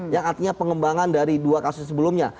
yang artinya pengembangan dari dua kasus sebelumnya